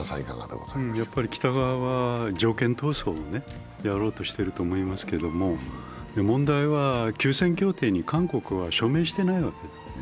北側は条件闘争をやろうとしていると思いますけれども、問題は休戦協定に韓国は署名していないわけです。